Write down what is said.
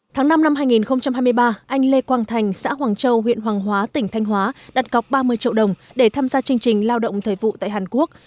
tháng năm năm hai nghìn hai mươi ba anh lê quang thành xã hoàng châu huyện hoàng hóa tỉnh thanh hóa đặt cọc ba mươi triệu đồng để tham gia chương trình lao động thời vụ tại hàn quốc